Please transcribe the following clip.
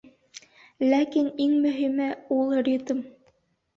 Ләкин иң мөһиме — ул ритм.